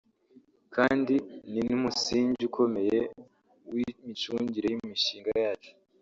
kandi ni n’umusingi ukomeye w’imicungire y’imishinga yacu